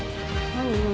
何？